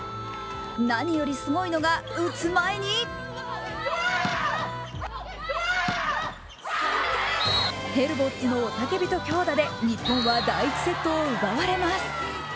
何よりすごいのが、打つ前にヘルボッツの雄たけびと強打で日本は第１セットを奪われます。